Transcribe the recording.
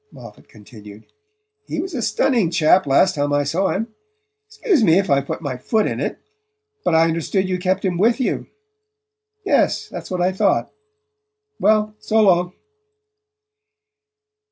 Moffatt continued. "He was a stunning chap last time I saw him. Excuse me if I've put my foot in it; but I understood you kept him with you...? Yes: that's what I thought.... Well, so long."